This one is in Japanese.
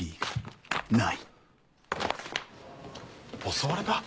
襲われた？